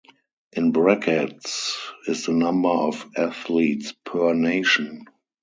In brackets is the number of athletes per nation.